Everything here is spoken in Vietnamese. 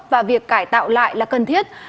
và việc cải tạo lại là một cơ quan công an đầu thú